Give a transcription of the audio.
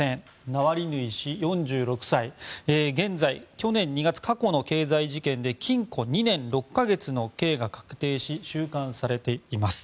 ナワリヌイ氏、４６歳現在、去年２月過去の経済事件で禁錮２年６か月の刑が確定し収監されています。